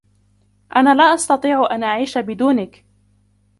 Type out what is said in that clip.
أنا لا أستطيع أن أعيش بدونك.